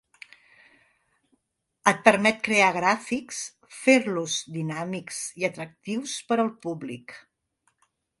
Et permet crear gràfics, fer-los dinàmics i atractius per al públic.